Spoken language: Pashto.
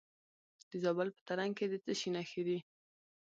د زابل په ترنک کې د څه شي نښې دي؟